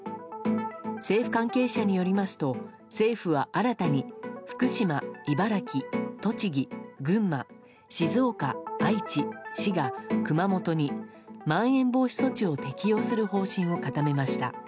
政府関係者によりますと政府は、新たに福島、茨城、栃木、群馬静岡、愛知、滋賀、熊本にまん延防止措置を適用する方針を固めました。